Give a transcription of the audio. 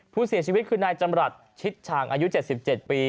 ผู้เสียชีวิตคือนายจำรัฐชิดฉางอายุ๗๗ปี